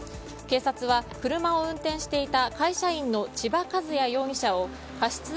警察は車を運転していた会社員の千葉和也容疑者を過失